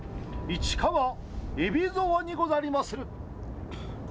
市川海老蔵でござりまする。